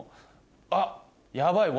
あっ。